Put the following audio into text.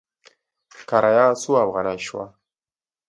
کرایه څو افغانې شوه؟